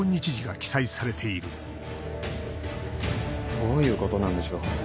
どういうことなんでしょう。